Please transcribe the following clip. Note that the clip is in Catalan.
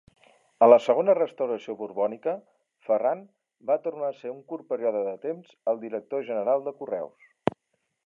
A la segona Restauració borbònica, Ferrand va tornar a ser un curt període de temps el Director General de Correus.